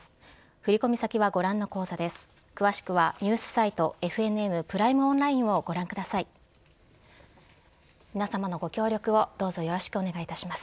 振り込み先はご覧の口座です。